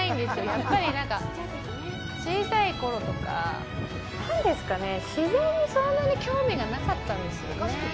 やっぱり、小さいころとか自然にそんなに興味がなかったんですよね。